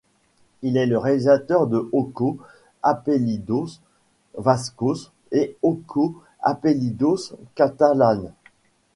Il est le réalisateur de Ocho apellidos Vascos et Ocho apellidos catalanes.